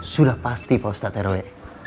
sudah pasti pak ustadz rw